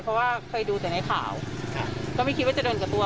เพราะว่าเคยดูแต่ในข่าวก็ไม่คิดว่าจะเดินกับตัว